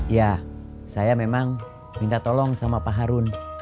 ya saya memang minta tolong sama pak harun